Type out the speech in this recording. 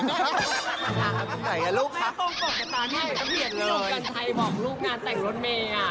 กันใจบอกลูกหน้าแต่งรถเมย์